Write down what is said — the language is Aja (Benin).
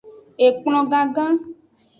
Ekplon gangan.